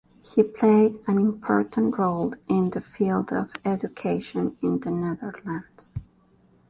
He played an important role in the field of education in the Netherlands.